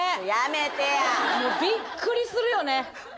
やめてや！びっくりするよね。